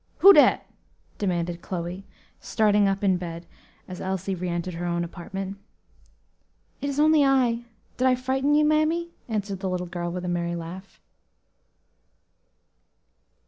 "Who dat?" demanded Chloe, starting up in bed as Elsie reentered her own apartment. "It is only I; did I frighten you, mammy?" answered the little girl with a merry laugh.